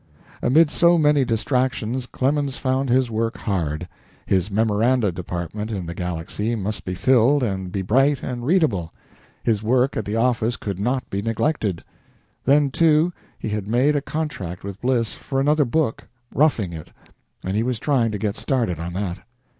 Amid so many distractions Clemens found his work hard. His "Memoranda" department in the "Galaxy" must be filled and be bright and readable. His work at the office could not be neglected. Then, too, he had made a contract with Bliss for another book "Roughing It" and he was trying to get started on that.